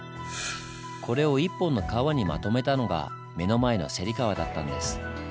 これを一本の川にまとめたのが目の前の芹川だったんです。